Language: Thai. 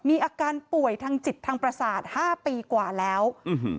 มีอาการป่วยทางจิตทางประสาทห้าปีกว่าแล้วอื้อหือ